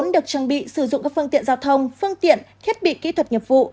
bốn được trang bị sử dụng các phương tiện giao thông phương tiện thiết bị kỹ thuật nhập vụ